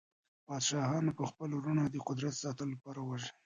پادشاهانو به خپل وروڼه د قدرت ساتلو لپاره وژل.